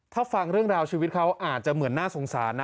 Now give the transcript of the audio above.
ถ้าฟังเรื่องราวชีวิตเขาอาจจะเหมือนน่าสงสารนะ